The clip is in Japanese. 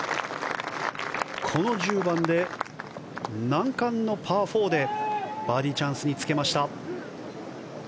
この１０番で難関のパー４でバーディーチャンス。